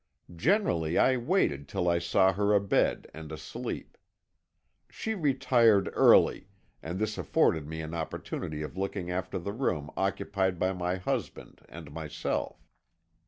Generally I waited till I saw her abed and asleep. She retired early, and this afforded me an opportunity of looking after the room occupied by my husband and myself.